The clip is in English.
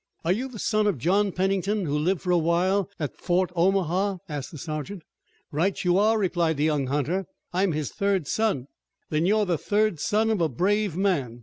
"Are you the son of John Pennington, who lived for a little while at Fort Omaha?" asked the sergeant. "Right you are," replied the young hunter, "I'm his third son." "Then you're the third son of a brave man.